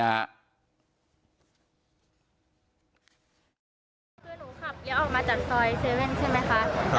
คือหนูขับเลี้ยวออกมาจากซอยเซเว่นใช่ไหมคะครับ